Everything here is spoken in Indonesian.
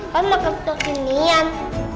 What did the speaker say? kayu makan kekinian